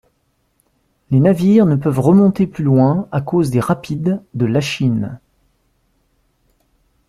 Les navires ne peuvent remonter plus loin à cause des rapides de Lachine.